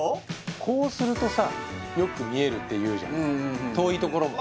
こうするとさよく見えるっていうじゃんうんうん遠い所も